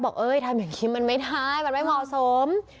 เอ้ยทำอย่างนี้มันไม่ได้มันไม่เหมาะสม